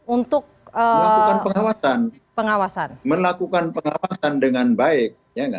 untuk melakukan pengawasan dengan baik